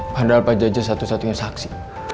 padahal pak jaja satu satunya saksi